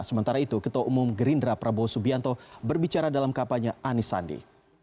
sementara itu ketua umum gerindra prabowo subianto berbicara dalam kapalnya anis sandi